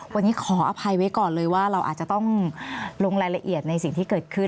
วันนี้ขออภัยไว้ก่อนเลยว่าเราอาจจะต้องลงรายละเอียดในสิ่งที่เกิดขึ้น